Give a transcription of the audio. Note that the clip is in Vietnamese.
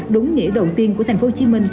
đúng nghĩa đầu tiên của tp hcm